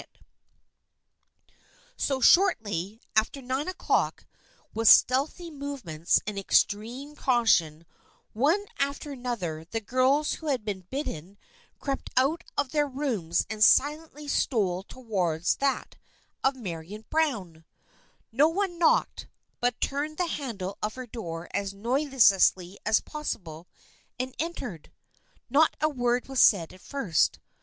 THE FRIENDSHIP OF ANNE 249 So, shortly after nine o'clock, with stealthy movements and extreme caution, one after another the girls who had been bidden crept out of their rooms and silently stole towards that of Marian Browne. No one knocked, but turned the handle of her door as noiselessly as possible and entered. Not a word was said at first.